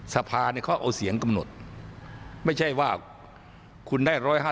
สภาเนี่ยเขาเอาเสียงกำหนดไม่ใช่ว่าคุณได้๑๕๐